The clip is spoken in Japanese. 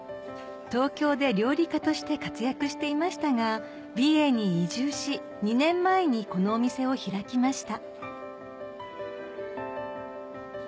東京で料理家として活躍していましたが美瑛に移住し２年前にこのお店を開きました